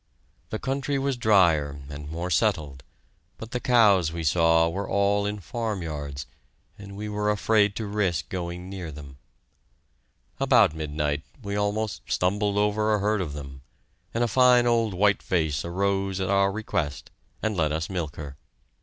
The country was drier and more settled, but the cows, we saw, were all in farmyards, and we were afraid to risk going near them. About midnight we almost stumbled over a herd of them, and one fine old whiteface arose at our request and let us milk her.